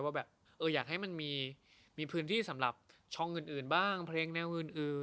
ว่าแบบอยากให้มันมีพื้นที่สำหรับช่องอื่นบ้างเพลงแนวอื่น